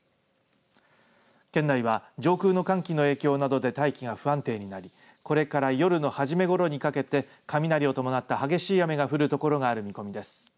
県内は、上空の寒気の影響などで大気が不安定になりこれから夜の初めごろにかけて雷を伴った激しい雨が降る所がある見込みです。